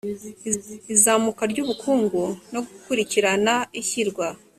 izamuka ry ubukungu no gukurikirana ishyirwa